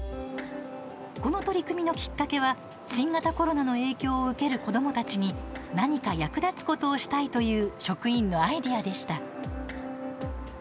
この取り組みのきっかけは新型コロナの影響を受ける子どもたちに何か役立つことをしたいという職員のアイデアでした。